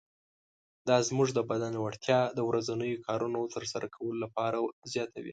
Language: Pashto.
دا زموږ د بدن وړتیا د ورځنیو کارونو تر سره کولو لپاره زیاتوي.